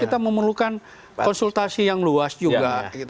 kita memerlukan konsultasi yang luas juga